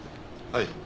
はい。